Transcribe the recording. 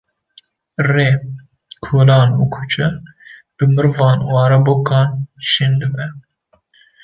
Rê, kolan û kuçe bi merivan û erebokan şên dibe.